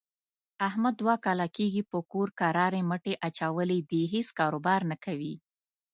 احمد دوه کاله کېږي په کور کرارې مټې اچولې دي، هېڅ کاروبار نه کوي.